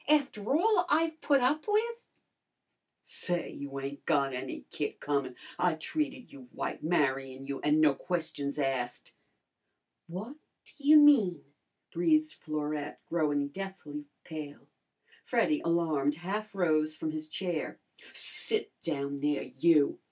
"After all I've put up with!" "Say, you ain't got any kick comin'! I treated you white, marryin' you, an' no questions asked." "What ta you mean?" breathed Florette, growing deathly pale. Freddy, alarmed, half rose from his chair. "Sit down there you!"